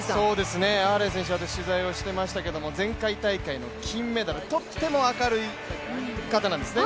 アーレイ選手、私は取材をしてましたけど前回大会の金メダルとっても明るい方なんですね。